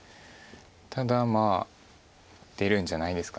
ただまあ出るんじゃないですか。